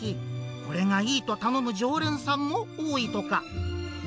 これがいいと頼む常連さんも多いとか。